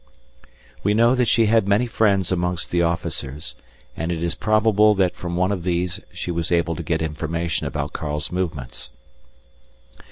_ _We know that she had many friends amongst the officers, and it is probable that from one of these she was able to get information about Karl's movements.